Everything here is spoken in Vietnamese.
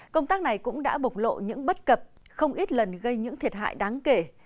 công tác này cũng đã bộc lộ những bất cập không ít lần gây những thiệt hại đáng kể